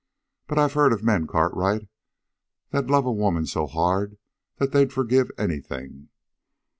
"But I've heard of men, Cartwright, that'd love a woman so hard that they'd forgive anything."